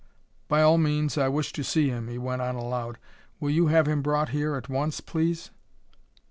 "By all means, I wish to see him," he went on aloud. "Will you have him brought here at once, please?"